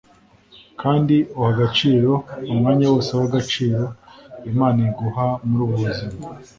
kandi uha agaciro umwanya wose w'agaciro imana iguha muri ubu buzima